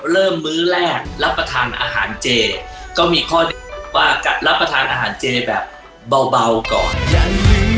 มื้อแรกรับประทานอาหารเจก็มีข้อเรียกว่ากัดรับประทานอาหารเจแบบเบาก่อนจ้ะ